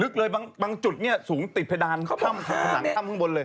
ลึกเลยบางจุดสูงติดเพดานท่ำข้างบนเลย